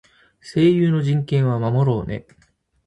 声優の人権は守ろうね。